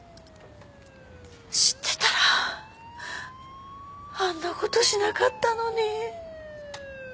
知ってたらあんな事しなかったのに。